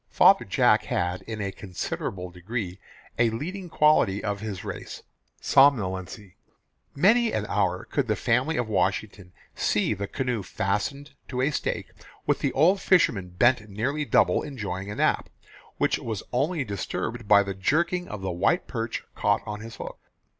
Father Jack had in a considerable degree a leading quality of his race somnolency. Many an hour could the family of Washington see the canoe fastened to a stake, with the old fisherman bent nearly double enjoying a nap, which was only disturbed by the jerking of the white perch caught on his hook.